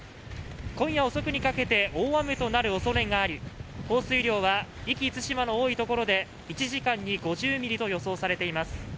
今夜遅くにかけて大雨となるおそれがあり降水量は壱岐・対馬の多いところで１時間に５０ミリと予想されています。